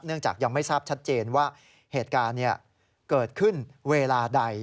จากยังไม่ทราบชัดเจนว่าเหตุการณ์เกิดขึ้นเวลาใด